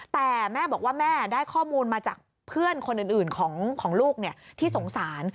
แต่แม่บอกว่าแม่ได้ข้อมูลมาจากเพื่อนคนอื่นของลูกที่สงสาร